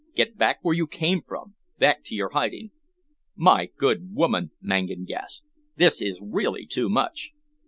Get back where you came from, back to your hiding." "My good woman!" Mangan gasped. "This is really too much!"